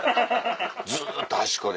ずっと端っこで。